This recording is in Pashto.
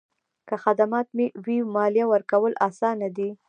که خدمات وي، مالیه ورکول اسانه دي؟